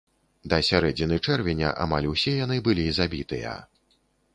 Да сярэдзіны чэрвеня амаль усе яны былі забітыя.